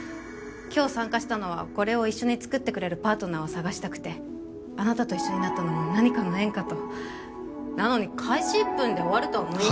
今日参加したのはこれを一緒に作ってくれるパートナーを探したくてあなたと一緒になったのも何かの縁かとなのに開始１分で終わるとは思いませんでした